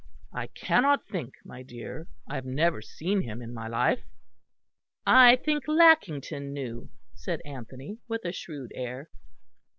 "I cannot think, my dear; I have never seen him in my life." "I think Lackington knew," said Anthony, with a shrewd air.